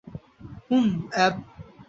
হুম, অ্যাব।